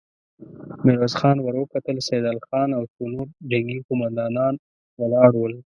ميرويس خان ور وکتل، سيدال خان او څو نور جنګي قوماندان ولاړ ول.